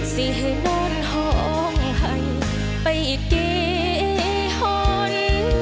สิให้โบนห่องให้ไปอีกเก่งฮ่อน